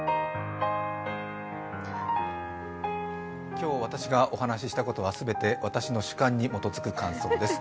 今日、私がお話ししたことを忘れて全て私の主観に基づく感想です。